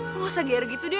lo gak usah geyer gitu deh